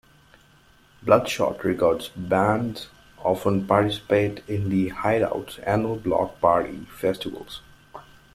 Bloodshot Records bands often participate in the Hideout's annual Block Party festival.